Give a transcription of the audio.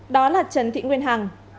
đó là trần thị nguyên hằng